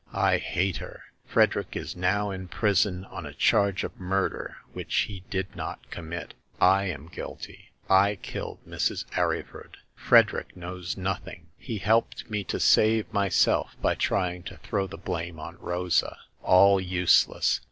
I hate her ! Frederick is now in prison on a charge of murder, which he did not commit. I am guilty. I killed Mrs. Arryford. Frederick knows nothing. He helped me to save myself by trying to throw the blame on Rosa. All use less.